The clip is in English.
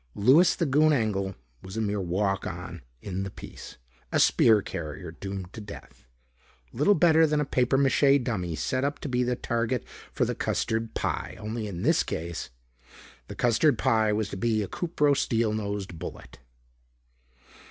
Louis the Goon Engel was a mere walk on in the piece, a spear carrier doomed to death. Little better than a papier mache dummy set up to be a target for the custard pie. Only, in this case, the custard pie was to be a cupro steel nosed bullet.